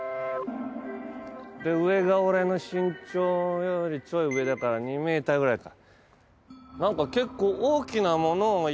上が俺の身長よりちょい上だから２ｍぐらいか。